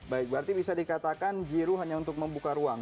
baik berarti bisa dikatakan girou hanya untuk membuka ruang